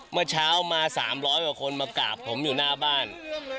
เมื่อเช้ามา๓๐๐กว่าคนมากราบผมอยู่หน้าบ้าน